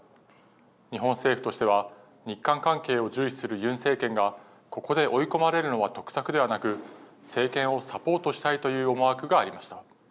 日本政府としては、日韓関係を重視するユン政権がここで追い込まれるのは得策ではなく、政権をサポートしたいという思惑がありました。